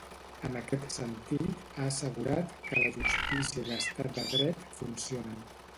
En aquest sentit, ha assegurat que la justícia i l’estat de dret funcionen.